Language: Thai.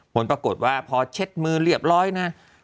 ผลปรากฏว่าพอเช็ดมือเรียบร้อยนะ